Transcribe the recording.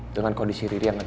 dengan kondisi riri yang ngedrop